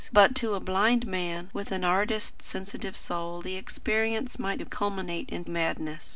But to a blind man, with an artist's sensitive soul, the experience might culminate in madness.